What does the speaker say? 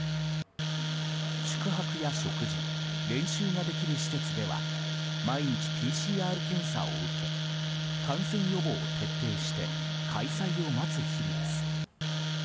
宿泊や食事練習ができる施設では毎日ＰＣＲ検査を受け感染予防を徹底して開催を待つ日々です。